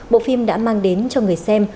bộ phim đã mang đến cho người xem